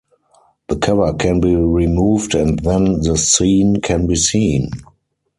The cover can be removed and then the scene can be seen.